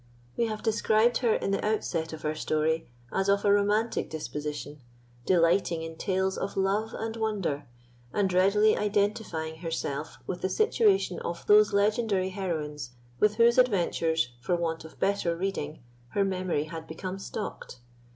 We have described her in the outset of our story as of a romantic disposition, delighting in tales of love and wonder, and readily identifying herself with the situation of those legendary heroines with whose adventures, for want of better reading, her memory had become stocked.